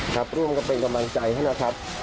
ครับร่วมกันเป็นกำลังใจให้นะครับ